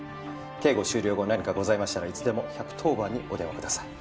警護終了後何かございましたらいつでも１１０番にお電話ください。